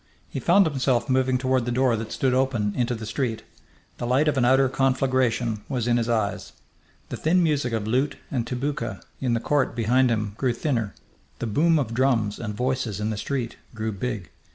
He found himself moving toward the door that stood open into the street. The light of an outer conflagration was in his eyes. The thin music of lute and tabouka in the court behind him grew thinner; the boom of drums and voices in the street grew big.